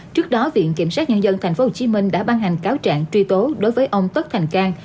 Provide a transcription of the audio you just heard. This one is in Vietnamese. trước đó viện kiểm sát nhân dân tp hcm đã ban hành cáo trạng truy tố đối với ông tất thành cang